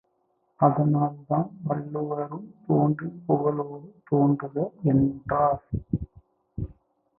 அதனால்தான் வள்ளுவரும் தோன்றிற் புகழொடு தோன்றுக! என்றார்.